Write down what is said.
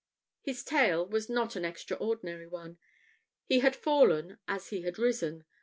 His tale was not an extraordinary one. He had fallen as he had risen.